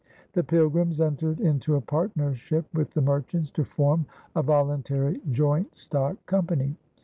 The Pilgrims entered into a partnership with the merchants to form a voluntary joint stock company.